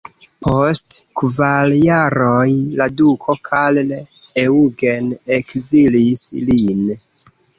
Post kvar jaroj la duko Karl Eugen ekzilis lin.